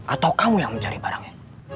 atau kamu yang mencari barangnya